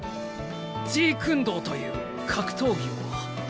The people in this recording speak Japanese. ジークンドーという格闘技を。